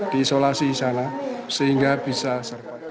diisolasi di sana sehingga bisa serta